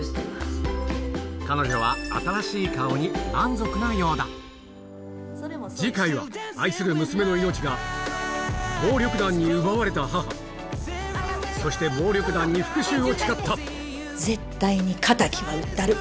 彼女は次回は愛する娘の命が暴力団に奪われた母そして暴力団に復讐を誓った絶対に敵を討ったる！